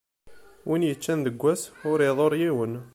Win yeččan deg ass, ur iḍurr yiwen.